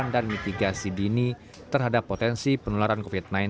dan mitigasi dini terhadap potensi penularan covid sembilan belas